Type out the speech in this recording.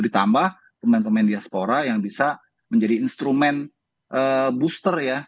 ditambah pemain pemain diaspora yang bisa menjadi instrumen booster ya